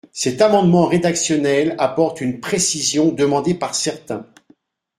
Cet amendement rédactionnel apporte une précision demandée par certains.